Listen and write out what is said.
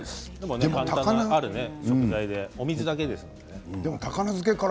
でも、ある食材でお水だけですからね。